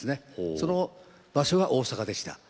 その場所が大阪でした。